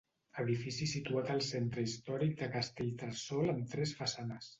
Edifici situat al centre històric de Castellterçol amb tres façanes.